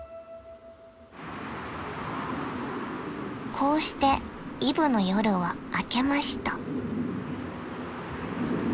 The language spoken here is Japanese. ［こうしてイブの夜は明けました］